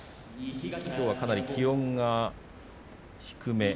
きょうはかなり気温が低め。